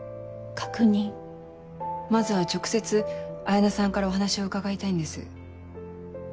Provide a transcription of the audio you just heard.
まずは直接彩菜さんからお話を伺いたいんです。